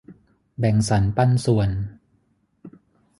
แบ่งสันปันส่วน